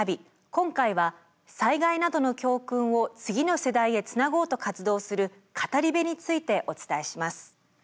今回は災害などの教訓を次の世代へつなごうと活動する語り部についてお伝えします。